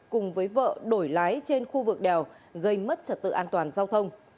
cùng với vợ đổi lái trên khu vực đèo gây mất trật tự an toàn giao thông